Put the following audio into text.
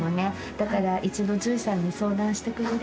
だから一度獣医さんに相談してくれる？